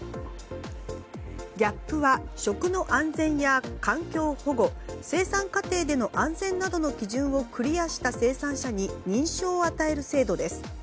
ＧＡＰは食の安全や環境保護生産過程での安全などの基準をクリアした生産者に認証を与える制度です。